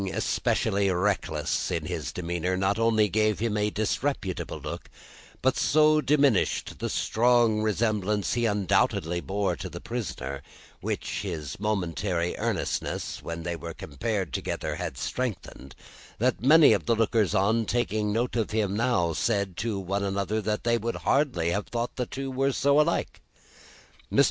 Something especially reckless in his demeanour, not only gave him a disreputable look, but so diminished the strong resemblance he undoubtedly bore to the prisoner (which his momentary earnestness, when they were compared together, had strengthened), that many of the lookers on, taking note of him now, said to one another they would hardly have thought the two were so alike. Mr.